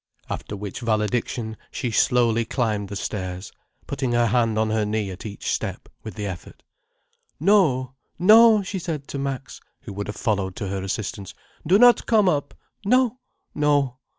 After which valediction she slowly climbed the stairs, putting her hand on her knee at each step, with the effort. "No—no," she said to Max, who would have followed to her assistance. "Do not come up. No—no!"